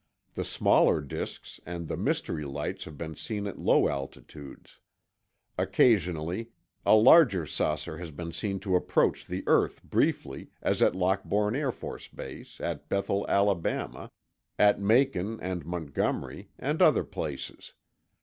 The smaller disks and the mystery lights have been seen at low altitudes. Occasionally a larger saucer has been seen to approach the earth briefly, as at Lockbourne Air Force Base, at Bethel, Alabama, at Macon and Montgomery, and other places.